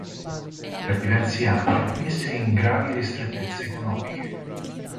Per diversi anni visse in gravi ristrettezze economiche.